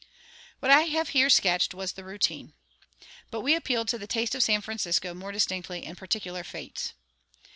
What I have here sketched was the routine. But we appealed to the taste of San Francisco more distinctly in particular fetes.